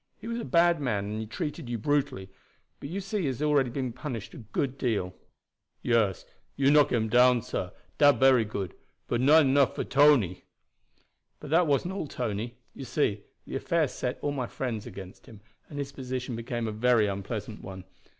He was a bad man, and he treated you brutally, but you see he has been already punished a good deal." "Yes, you knock him down, sah. Dat bery good, but not enough for Tony." "But that wasn't all, Tony. You see, the affair set all my friends against him, and his position became a very unpleasant one.